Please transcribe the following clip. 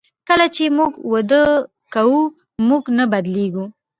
کله چې موږ وده کوو موږ نه بدلیږو.